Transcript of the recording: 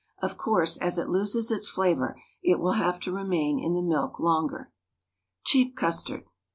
Of course, as it loses its flavour, it will have to remain in the milk longer. CHEAP CUSTARD.